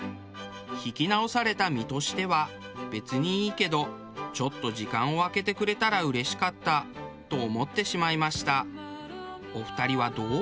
弾き直された身としては別にいいけどちょっと時間を空けてくれたらうれしかったと思ってしまいました。